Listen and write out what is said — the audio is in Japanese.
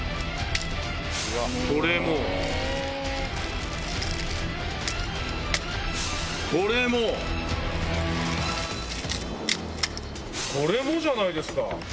これも。これも！これもじゃないですか。